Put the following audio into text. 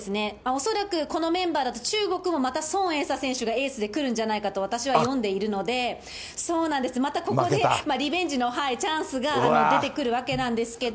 恐らくこのメンバーだと中国もまた孫穎莎選手がエースで来るんじゃないかと、私は読んでいるので、またここで、リベンジのチャンスが出てくるわけなんですけど。